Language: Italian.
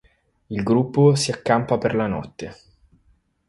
Il gruppo si accampa per la notte.